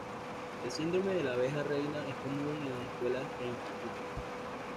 El síndrome de la abeja reina es común en las escuelas e institutos.